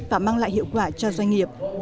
và mang lại hiệu quả cho doanh nghiệp